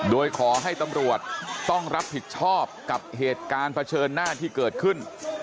โดยขอให้ตำรวจต้องรับผิดชอบกับเหตุการณ์เผชิญหน้าที่เกิดขึ้น